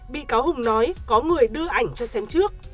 bị cáo hùng nói có người đưa ảnh cho thém trước